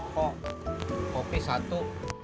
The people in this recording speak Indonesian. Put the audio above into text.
kok kopi satu